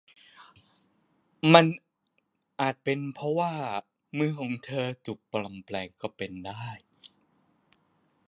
อาจเป็นเพราะมือของเธอถูกปลอมแปลง